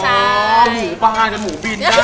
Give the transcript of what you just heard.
อ๋อหมูปลาและหมูบินใช่